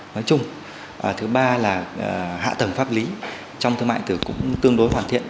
nói chung thứ ba là hạ tầng pháp lý trong thương mại điện tử cũng tương đối hoàn thiện